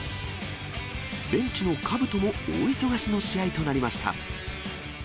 ベンチのかぶとも大忙しの試合となりました。